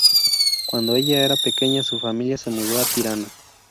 Cuando ella era pequeña su familia se mudó a Tirana.